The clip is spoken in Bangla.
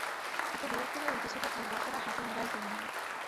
এতে বিরক্ত হয়েও কিছু ক্ষেত্রে বসেরা হাতে মোবাইল তুলে নেন।